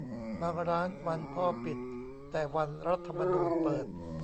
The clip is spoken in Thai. บางร้านวันพ่อปิดแต่วันรัฐธรรมนูญเปิด